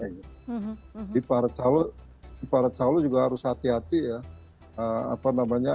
jadi para calon juga harus hati hati ya